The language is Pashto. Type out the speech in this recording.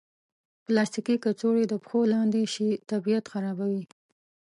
پلاستيکي کڅوړې د پښو لاندې شي، طبیعت خرابوي.